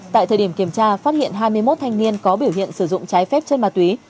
tại thời điểm kiểm tra phát hiện hai mươi một thanh niên có biểu hiện sử dụng trái phép chất ma túy